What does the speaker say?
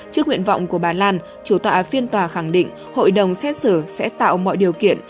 trước nguyện vọng của bà lan chủ tọa phiên tòa khẳng định hội đồng xét xử sẽ tạo mọi điều kiện